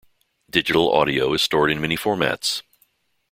Digital audio is stored in many formats.